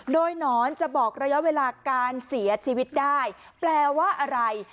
โดยหนอนจะบอกระยะเวลาการเสียชีวิตได้แปลว่าอะไร